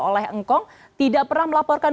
oleh engkong tidak pernah melaporkan